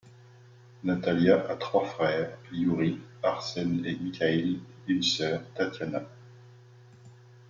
Natalia a trois frères, Iouri, Arsen et Mikhaïl, et une sœur, Tatiana.